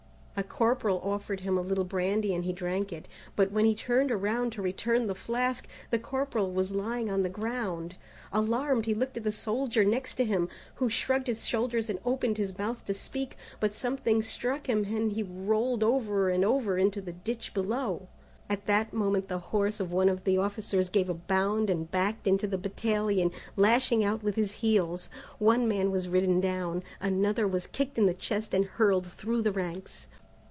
A corporal offered him a little brandy and he drank it, but when he turned around to return the flask, the corporal was lying on the ground. Alarmed, he looked at the soldier next to him, who shrugged his shoulders and opened his mouth to speak, but something struck him and he rolled over and over into the ditch below. At that moment the horse of one of the officers gave a bound and backed into the battalion, lashing out with his heels. One man was ridden down; another was kicked in the chest and hurled through the ranks.